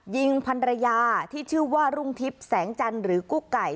ยิงพันรยาที่ชื่อว่ารุ่งทิพย์แสงจันทร์หรือกุ๊กไก่